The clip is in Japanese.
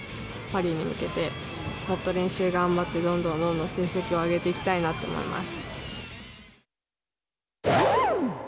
パリに向けて、もっと練習頑張って、どんどんどんどん成績をあげていきたいなと思います。